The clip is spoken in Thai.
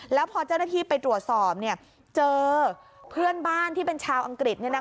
แล้วพอเจ้าหน้าที่ไปตรวจสอบเจอเพื่อนบ้านที่เป็นชาวอังกฤษ